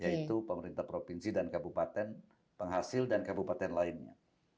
yaitu pemerintah provinsi dan kabupaten penghasil dan kabupaten lainnya